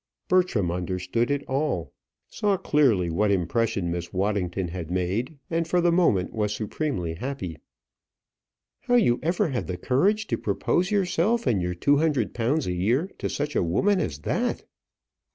Bertram understood it all; saw clearly what impression Miss Waddington had made, and for the moment was supremely happy. "How ever you had the courage to propose yourself and your two hundred pounds a year to such a woman as that!"